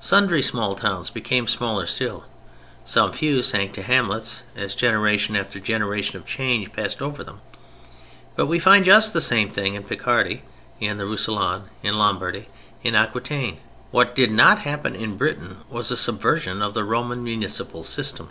Sundry small towns became smaller still, some few sank to hamlets as generation after generation of change passed over them: but we find just the same thing in Picardy in the Roussillon, in Lombardy and in Aquitaine. What did not happen in Britain was a subversion of the Roman municipal system.